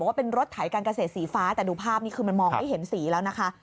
ว่าเป็นรถไถการเกษตรสีฟ้าแต่ดูภาพนี้คือมันมองไม่เห็นสีแล้วนะคะ